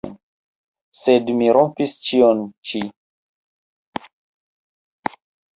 Sed mi rompis ĉion ĉi.